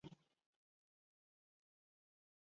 该寺以其训养的能够跳圈的猫而闻名。